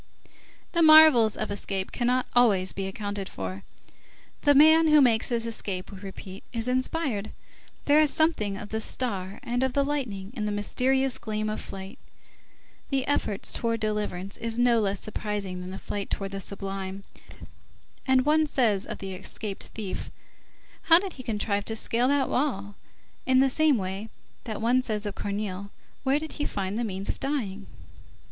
The marvels of escape cannot always be accounted for. The man who makes his escape, we repeat, is inspired; there is something of the star and of the lightning in the mysterious gleam of flight; the effort towards deliverance is no less surprising than the flight towards the sublime, and one says of the escaped thief: "How did he contrive to scale that wall?" in the same way that one says of Corneille: "Where did he find _the means of dying?